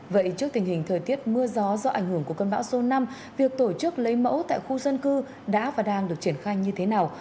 vậy trước tình hình thời tiết mưa gió do ảnh hưởng của cơn bão số năm việc tổ chức lấy mẫu tại khu dân cư đã và đang được triển khai như thế nào